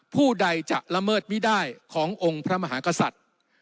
ผู้ใดจะละเมิดไม่ได้ขององค์พระมหากษัตริย์